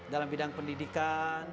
dalam bidang pendidikan